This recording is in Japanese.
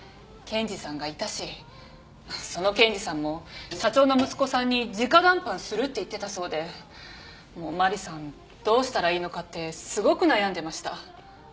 その健治さんも社長の息子さんに直談判するって言ってたそうでもうマリさんどうしたらいいのかってすごく悩んでました。